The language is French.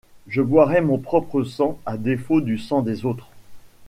Je boirai mon propre sang à défaut du sang des autres!